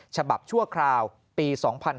ฉบับชั่วคราวปี๒๕๕๗